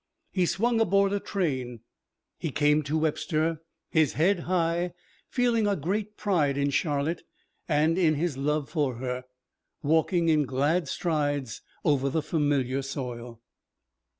He swung aboard a train. He came to Webster, his head high, feeling a great pride in Charlotte and in his love for her, walking in glad strides over the familiar soil.